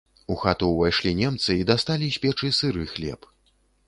У хату ўвайшлі немцы і дасталі з печы сыры хлеб.